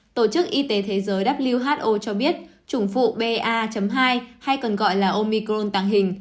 tổ chức y tế thế giới who cho biết chủng phụ ba hai hay còn gọi là omicron tàng hình